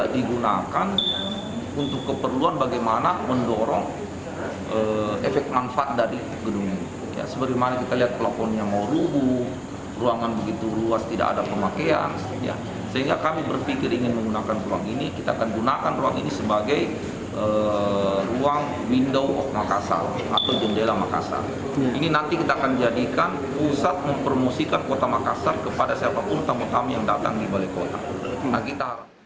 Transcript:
jadi kita akan menjadikan pusat mempromosikan kota makassar kepada siapapun tamu tamu yang datang di balik kota